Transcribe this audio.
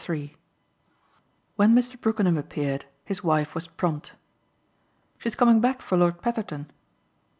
III When Mr. Brookenham appeared his wife was prompt. "She's coming back for Lord Petherton."